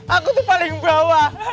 aku tuh paling bawah